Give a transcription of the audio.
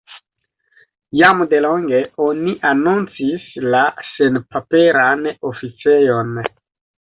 Jam delonge oni anoncis la senpaperan oficejon.